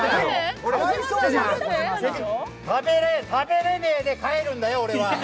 食べれねぇで帰るんだよ、俺は。